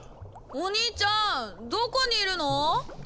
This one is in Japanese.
お兄ちゃんどこにいるの？